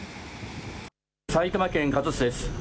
埼玉県加須市です。